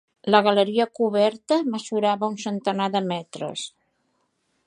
La galeria coberta mesurava un centenar de metres.